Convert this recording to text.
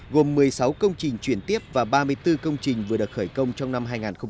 gồm một mươi sáu công trình chuyển tiếp và ba mươi bốn công trình vừa được khởi công trong năm hai nghìn hai mươi